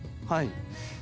はい。